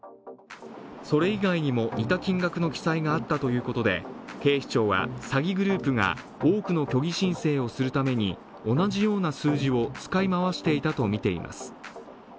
それ以外にも似た金額の記載があったということで警視庁は詐欺グループが多くの虚偽申請をするために同じような数字を使い回していたとみています。